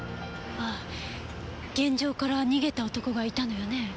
ああ現場から逃げた男がいたのよね？